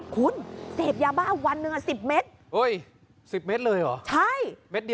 คุณเสพยาบ้าวันหนึ่งอ่ะ๑๐เมตร